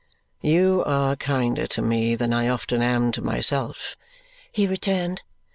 "You are kinder to me than I often am to myself," he returned.